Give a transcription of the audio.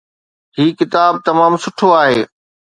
هي ڪتاب تمام سٺو آهي